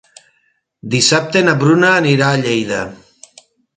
Dissabte na Bruna anirà a Lleida.